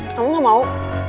kamu gak mau